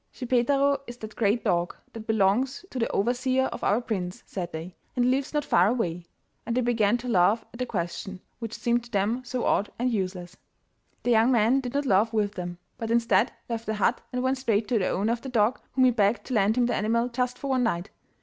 'Schippeitaro is the great dog that belongs to the overseer of our prince,' said they; 'and he lives not far away.' And they began to laugh at the question, which seemed to them so odd and useless. The young man did not laugh with them, but instead left the hut and went straight to the owner of the dog, whom he begged to lend him the animal just for one night.